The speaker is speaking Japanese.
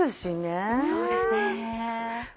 そうですね。